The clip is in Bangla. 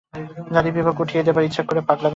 জাতিবিভাগ উঠিয়ে দেবার ইচ্ছা করাও পাগলামি মাত্র।